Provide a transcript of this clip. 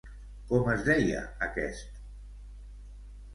Com es deia aquest?